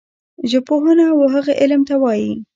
ژبپوهنه وهغه علم ته وايي